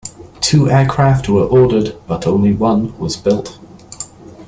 Two aircraft were ordered, but only one was built.